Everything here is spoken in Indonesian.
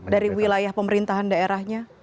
dari wilayah pemerintahan daerahnya